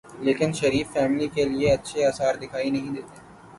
لیکن شریف فیملی کے لیے اچھے آثار دکھائی نہیں دیتے۔